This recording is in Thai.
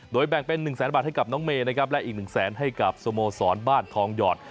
โดยแบ่งเป็น๑๐๐๐๐๐บาทให้กับน้องเมรัชน์นะครับและอีก๑๐๐๐๐๐บาทให้กับสโมสอนบ้านทองหยอด